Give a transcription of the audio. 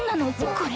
これ。